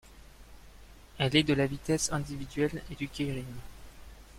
Elle est de la vitesse individuelle et du keirinn.